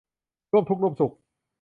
ร่วมทุกข์ร่วมสุข